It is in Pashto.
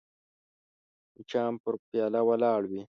مچان پر پیاله ولاړ وي